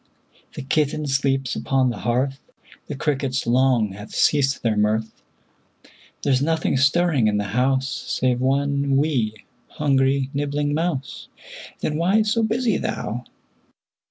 The kitten sleeps upon the hearth, The crickets long have ceased their mirth; There's nothing stirring in the house Save one 'wee', hungry, nibbling mouse, Then why so busy thou?